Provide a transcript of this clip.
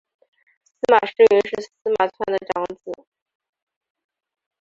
司马世云是司马纂的长子。